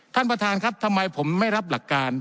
ท่านประธานครับทำไมผมไม่รับหลักการ